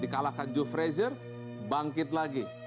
dikalahkan joe frazier bangkit lagi